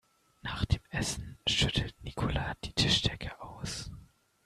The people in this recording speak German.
Nach dem Essen schüttelt Nicola die Tischdecke aus.